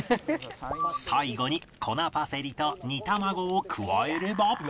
最後に粉パセリと煮卵を加えれば